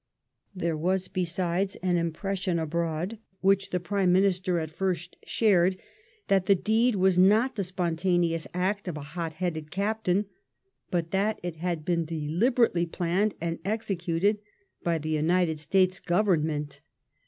There was^ besides, an impression abroad, which the Prime Minister at first shared, that the deed was not the spontaneous act of a liot headed captain, but that it had been deliberately planned and executed by the United States Government.